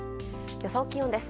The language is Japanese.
予想気温です。